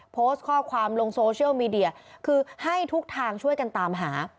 โพสต์ข้อความลงโซเชียลมีเดียคือให้ทุกทางช่วยกันตามหา